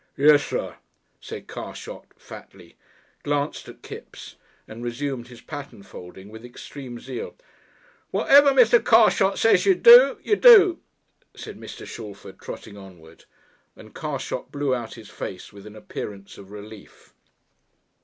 "Yussir," said Carshot fatly, glanced at Kipps, and resumed his pattern folding with extreme zeal. "Whatever Mr. Carshot says y'r to do, ye do," said Mr. Shalford, trotting onward; and Carshot blew out his face with an appearance of relief.